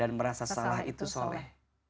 dan merasa salah itu soleh